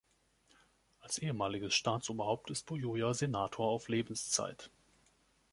Als ehemaliges Staatsoberhaupt ist Buyoya Senator auf Lebenszeit.